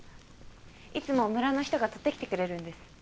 いつも村の人が採ってきてくれるんです。